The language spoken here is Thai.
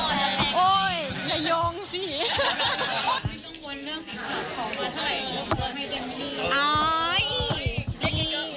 ไม่ต้องวนเรื่องของผู้หลักช้องมาเท่าไหร่